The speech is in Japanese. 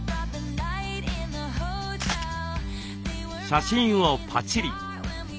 写真をパチリ。